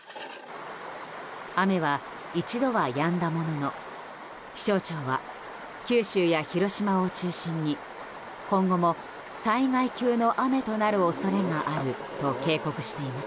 雨は、一度はやんだものの気象庁は九州や広島を中心に今後も災害級の雨となる恐れがあると警告しています。